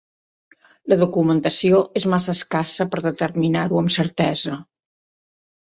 La documentació és massa escassa per determinar-ho amb certesa.